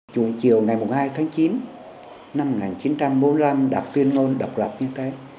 chủ chiều ngày hai tháng chín năm một nghìn chín trăm bốn mươi năm đọc tuyên ngôn độc lập như thế